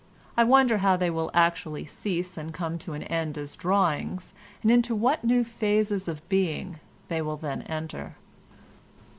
I wonder how they will actually cease and come to an end as drawings, and into what new phases of being they will then enter.